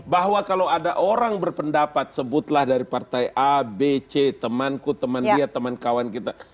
bahwa kalau ada orang berpendapat sebutlah dari partai a b c temanku teman dia teman kawan kita